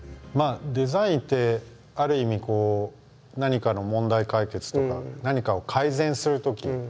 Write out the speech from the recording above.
デザインってある意味こう何かの問題解決とか何かを改善するとき。